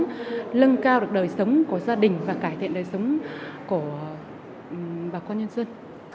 chúng tôi muốn lân cao được đời sống của gia đình và cải thiện đời sống của bà con nhân dân